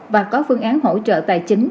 và có phương án hỗ trợ tài chính